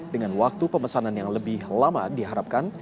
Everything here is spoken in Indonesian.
dengan waktu pemesanan yang lebih lama diharapkan